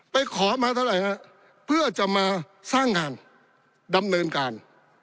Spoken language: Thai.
ขอมาเท่าไหร่ฮะเพื่อจะมาสร้างงานดำเนินการ